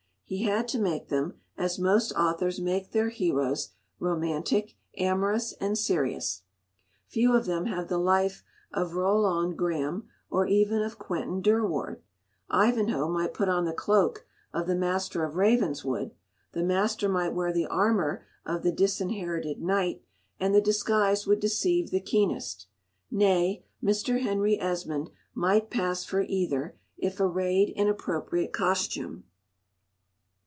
He had to make them, as most authors make their heroes, romantic, amorous, and serious; few of them have the life of Roland Graeme, or even of Quentin Durward. Ivanhoe might put on the cloak of the Master of Ravenswood, the Master might wear the armour of the Disinherited Knight, and the disguise would deceive the keenest. Nay, Mr. Henry Esmond might pass for either, if arrayed in appropriate costume.